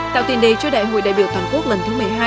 tạo tiền đề cho đại hội đại biểu toàn quốc lần thứ một mươi hai